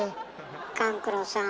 勘九郎さん